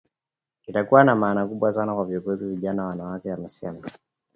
Itakuwa na maana kubwa sana kwa viongozi vijana wanawake amesema